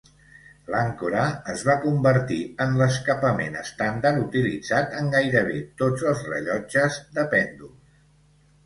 L'àncora es va convertir en l'escapament estàndard utilitzat en gairebé tots els rellotges de pèndols.